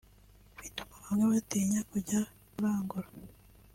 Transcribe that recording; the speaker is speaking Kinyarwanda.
bituma bamwe batinya kujya kurangura